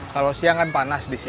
kalau siang kan panas disini